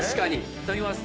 いただきます。